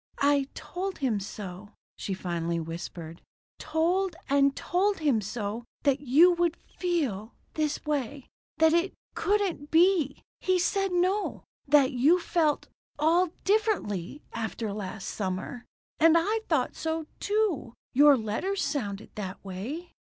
"I told him so," she finally whispered. "Told and told him so. That you would feel this way. That it couldn't be. He said no. That you felt all differently after last summer. And I thought so, too. Your letters sounded that way."